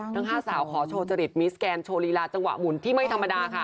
ทั้ง๕สาวขอโชว์จริตมิสแกนโชว์ลีลาจังหวะหมุนที่ไม่ธรรมดาค่ะ